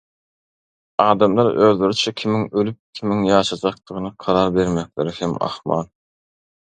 Adamlar özleriçe kimiň ölüp kimiň ýaşajakdygyna karar bermekleri hem ahmal.